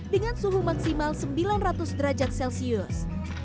dengan suhu maksimal sembilan ratus derajat celcius